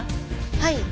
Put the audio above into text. はい。